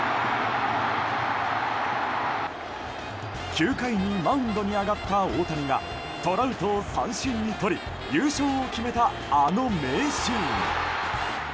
９回にマウンドに上がった大谷がトラウトを三振にとり優勝を決めた、あの名シーン。